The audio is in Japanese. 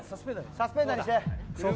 サスペンダーにして。